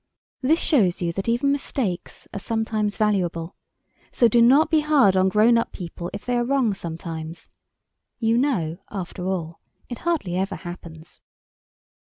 This shows you that even mistakes are sometimes valuable, so do not be hard on grown up people if they are wrong sometimes. You know after all, it hardly ever happens.